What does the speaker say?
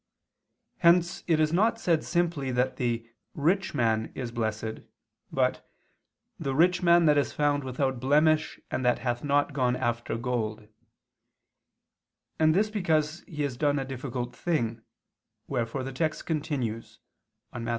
Hence it is not said simply that the "rich man" is blessed, but "the rich man that is found without blemish, and that hath not gone after gold," and this because he has done a difficult thing, wherefore the text continues (Matt.